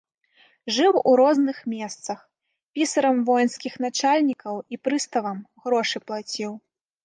Жыў у розных месцах, пісарам воінскіх начальнікаў і прыставам грошы плаціў.